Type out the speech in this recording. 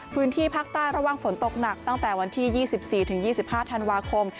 พื้นที่ภาคใต้ระวังฝนตกหนักตั้งแต่วันที่๒๔๒๕ธันวาคม